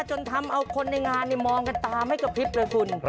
จนทำเอาคนในงานมองกันตาไม่กระพริบเลยคุณ